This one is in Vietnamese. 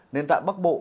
nên tại bắc bộ